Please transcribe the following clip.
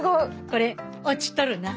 これ落ちとるな。